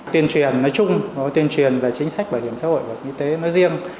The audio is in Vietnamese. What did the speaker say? tuyên truyền nói chung tuyên truyền về chính sách bảo hiểm xã hội bảo hiểm y tế riêng